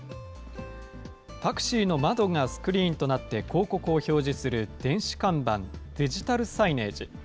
タクシーの窓がスクリーンとなって広告を表示する電子看板・デジタルサイネージ。